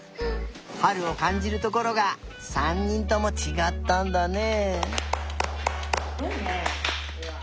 はるをかんじるところが３にんともちがったんだね。